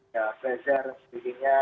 ya pleasure sebagainya